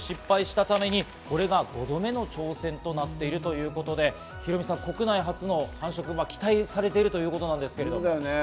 カシシはこれまで繁殖に４度失敗したために、これが５度目の挑戦となっているということで、ヒロミさん、国内初の繁殖は期待されているということですが。